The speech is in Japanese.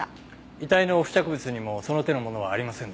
遺体の付着物にもその手のものはありませんでした。